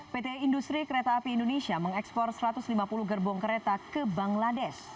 pt industri kereta api indonesia mengekspor satu ratus lima puluh gerbong kereta ke bangladesh